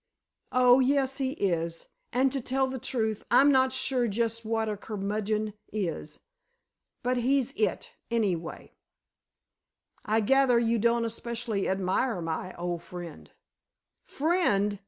"Oh, yes, he is. And to tell the truth, I'm not sure just what a curmudgeon is. But—he's it, anyway." "I gather you don't especially admire my old friend." "Friend!